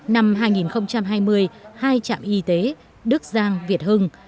năm hai nghìn hai mươi hai trạm y tế đức giang việt hưng